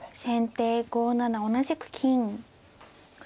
先手５七同じく金。